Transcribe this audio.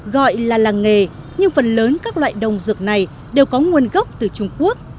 gọi là làng nghề nhưng phần lớn các loại đồng dược này đều có nguồn gốc từ trung quốc